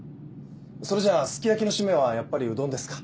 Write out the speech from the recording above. それじゃあすき焼きのシメはやっぱりうどんですか？